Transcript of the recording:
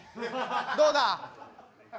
どうだ。